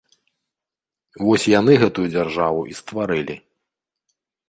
Вось яны гэтую дзяржаву і стварылі.